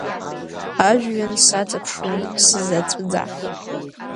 Ажәҩан саҵаԥшуан сзаҵәӡа.